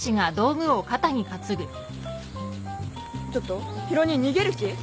ちょっとヒロ兄逃げる気？